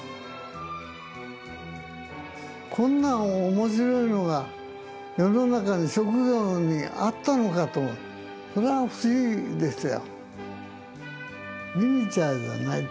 こんな面白いのが世の中に職業にあったのかともそれは不思議でしたよ。